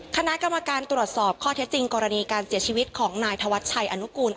คณะกรรมการตรวจสอบข้อเท็จจริงกรณีการเสียชีวิตของนายธวัชชัยอนุกูล